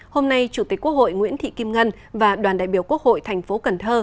hôm nay chủ tịch quốc hội nguyễn thị kim ngân và đoàn đại biểu quốc hội tp cn